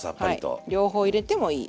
はい両方入れてもいい。